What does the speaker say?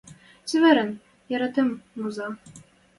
Цеверӹн, яратымем, Муза!